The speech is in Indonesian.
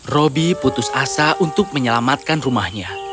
roby putus asa untuk menyelamatkan rumahnya